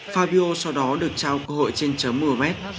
fabio sau đó được trao cơ hội trên chấm một mươi mét